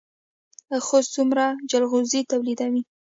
خوست څومره جلغوزي تولیدوي؟